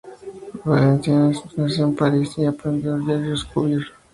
Valenciennes nació en París, y aprendió de Georges Cuvier.